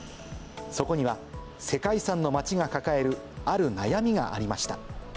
そこには、世界遺産の街が抱えるある悩みがありました。